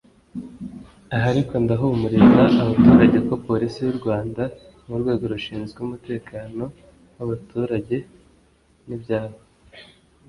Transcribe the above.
Aha ariko ndahumuriza abaturage ko Polisi y’u Rwanda nk’urwego rushinzwe umutekano w’abaturage n’ibyabo